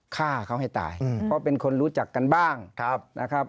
ฆ่าเขาให้ตายเพราะเป็นคนรู้จักกันบ้างนะครับ